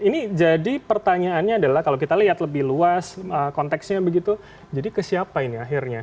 ini jadi pertanyaannya adalah kalau kita lihat lebih luas konteksnya begitu jadi ke siapa ini akhirnya